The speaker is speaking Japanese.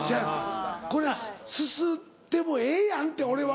これすすってもええやんって俺は。